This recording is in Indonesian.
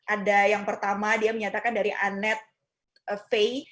ada yang pertama dia menyatakan dari annette faye